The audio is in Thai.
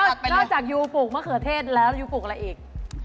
นอกจากยูปลูกมะเขือเทศแล้วยูปลูกอะไรอีก